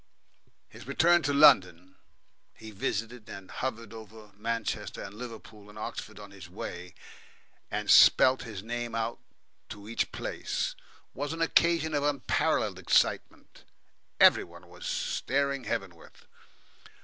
His return to London he visited and hovered over Manchester and Liverpool and Oxford on his way, and spelt his name out to each place was an occasion of unparalleled excitement. Every one was staring heavenward.